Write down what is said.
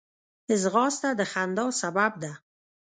ځغاسته د خندا سبب ده